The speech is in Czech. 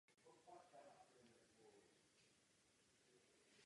Pokud nemá komisař dost ctižádostivosti, bude myslím posuzován jako slabý.